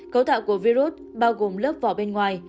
cấu tạo của virus bao gồm lớp vỏ bên ngoài